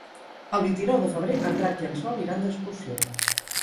El vint-i-nou de febrer en Drac i en Sol iran d'excursió.